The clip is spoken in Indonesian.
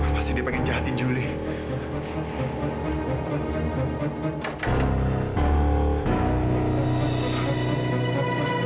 pasti dia panggil jahatin julie